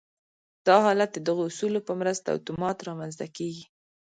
دا حالت د دغو اصولو په مرسته اتومات رامنځته کېږي